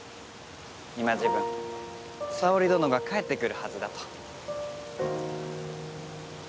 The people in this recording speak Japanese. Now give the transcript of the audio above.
今時分、沙織殿が帰ってくるはずだと。